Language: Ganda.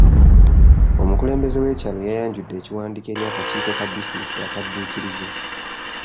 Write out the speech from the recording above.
Omukulembeze w'ekyalo yayanjudde ekiwandiiko eri akakiiko ka disitulikiti akadduukirize.